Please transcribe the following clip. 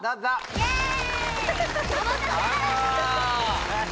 イエーイ！